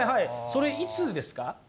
それいつですか？